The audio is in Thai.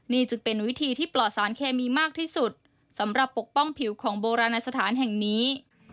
นี่จึงเป็นวิธีที่ปลอดสารเคมีมากที่สุดสำหรับปกป้องผิวของโบราณสถานแห่งนี้